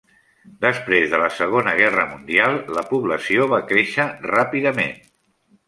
Després de la Segona Guerra Mundial, la població va créixer ràpidament.